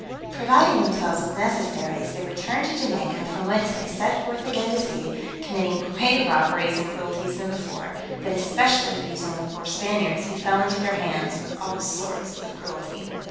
Providing themselves with necessaries, they returned to Jamaica, from whence they set forth again to sea, committing greater robberies and cruelties than before; but especially abusing the poor Spaniards, who fell into their hands, with all sorts of cruelty.